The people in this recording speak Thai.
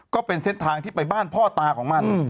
ก็เป็นเส้นทางที่ไปบ้านพ่อตาของมัน